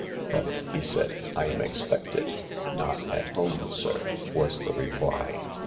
" But," he said, " I am expected." " Not at home, sir," was the reply.